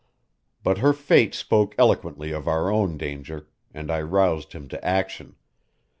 But her fate spoke eloquently of our own danger, and I roused him to action.